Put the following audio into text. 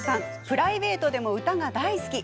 プライベートでも歌が大好き！